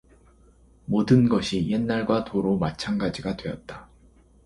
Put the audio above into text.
모든 것이 옛날과 도로 마찬가지가 되었다.